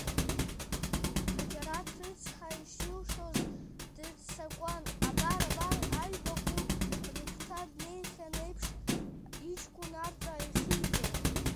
Ҳаџьараҭ рыцҳа ишилшоз дыццакуан, абар, абар аҩ-бахәык рыгәҭа днеихьан еиԥш иҷкәын арҵәаа ҩхиҵеит…